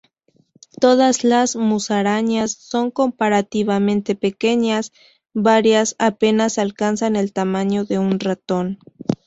Todas las musarañas son comparativamente pequeñas, varias apenas alcanzan el tamaño de un ratón.